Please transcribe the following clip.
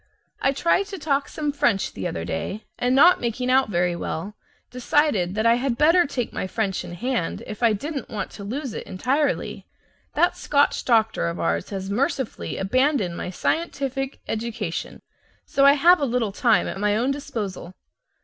I tried to talk some French the other day, and not making out very well, decided that I had better take my French in hand if I didn't want to lose it entirely. That Scotch doctor of ours has mercifully abandoned my scientific education, so I have a little time at my own disposal.